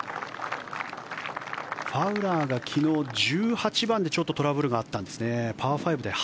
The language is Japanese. ファウラーが昨日、１８番でちょっとトラブルがあったんですね。